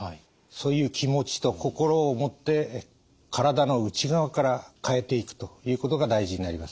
そういう気持ちと心を持って体の内側から変えていくということが大事になります。